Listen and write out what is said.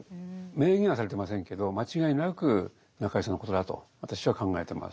明言はされてませんけど間違いなく中井さんのことだと私は考えてます。